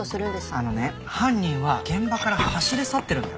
あのね犯人は現場から走り去ってるんだよ？